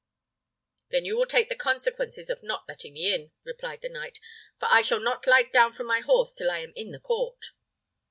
"Then you will take the consequences of not letting me in," replied the knight, "for I shall not light down from my horse till I am in the court."